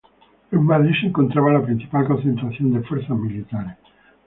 En Madrid se encontraba la principal concentración de fuerzas militares.